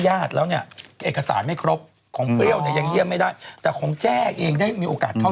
ผู้ชาวการเรือนจำกลางขันแก่ฐาบุ